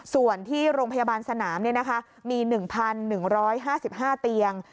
ส่วนที่โรงพยาบาลสนามมี๑๑๕๕เตียง